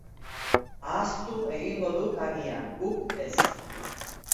Ahaztu egingo duk agian, guk ez.